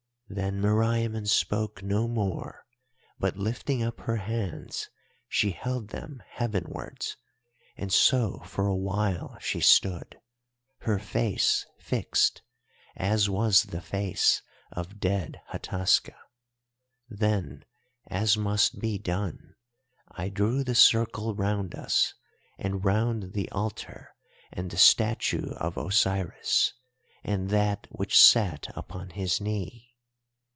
"Then Meriamun spoke no more—but lifting up her hands she held them heavenwards, and so for a while she stood, her face fixed, as was the face of dead Hataska. Then, as must be done, I drew the circle round us and round the altar and the statue of Osiris, and that which sat upon his knee.